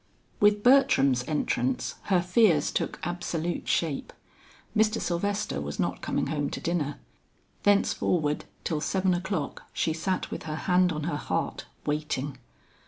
With Bertram's entrance, her fears took absolute shape. Mr. Sylvester was not coming home to dinner. Thenceforward till seven o'clock, she sat with her hand on her heart, waiting.